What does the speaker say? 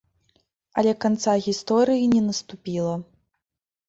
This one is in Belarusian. Але канца гісторыі не наступіла.